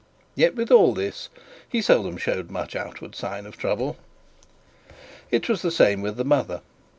Yet, with all this, he seldom showed much outward sign of trouble. It was the same with the mother.